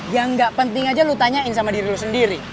yang gak penting aja lu tanyain sama diri lu sendiri